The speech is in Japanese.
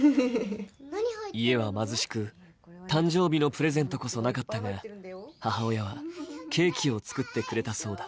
家は貧しく、誕生日のプレゼントこそなかったが母親はケーキを作ってくれたそうだ。